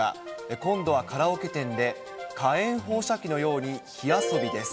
今度はカラオケ店で、火炎放射器のように火遊びです。